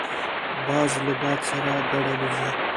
باز له باد سره ګډ الوزي